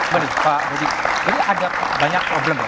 jadi pak budi jadi ada banyak problem